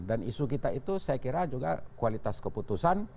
dan isu kita itu saya kira juga kualitas keputusan